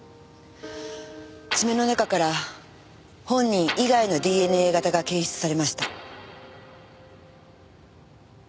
爪の中から本人以外のＤＮＡ型が検出されました。